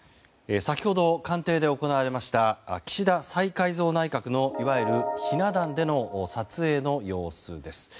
先ほど官邸で行われました岸田再改造内閣のいわゆるひな壇での撮影の様子です。